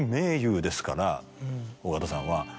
緒形さんは。